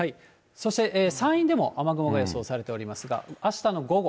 そして山陰でも、雨雲が予想されておりますが、あしたの午後。